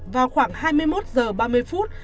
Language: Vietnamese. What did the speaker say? vào khoảng hai mươi một giờ ba mươi phút